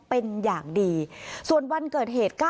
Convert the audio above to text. เป็นอย่างดีส่วนวันเกิดเหตุ